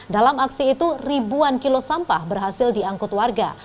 dalam aksi itu ribuan kilo sampah berhasil diangkut warga